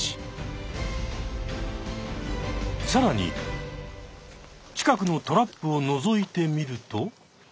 さらに近くのトラップをのぞいてみると。